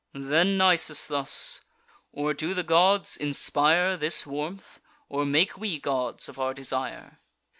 Then Nisus thus: "Or do the gods inspire This warmth, or make we gods of our desire?